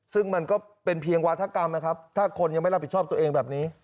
ซึ่งมันก็เป็นเพียงวาธกรรมนะครับถ้าคนยังไม่รับผิดชอบตัวเองแบบนี้